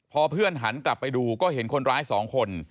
พอเพื่อนหันกลับไปดูก็เห็นคนร้าย๒คน